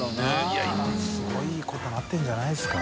い今すごいことになってるんじゃないですか？